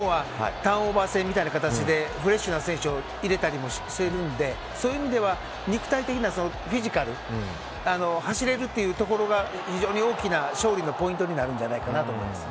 つまり、中３日の試合で体力をものすごく消耗してますからそれに対して日本はターンオーバー制みたいな形でフレッシュな選手を入れたりしているのでそういう意味では肉体的なフィジカル走れるというところが非常に大きな勝利のポイントになるんじゃないかと思います。